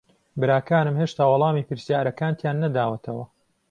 براکانم هێشتا وەڵامی پرسیارەکانتیان نەداوەتەوە.